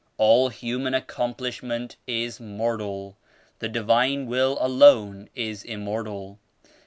"All human accomplishment is mortal; the Divine Will alone is immortal.